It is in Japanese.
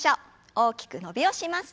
大きく伸びをします。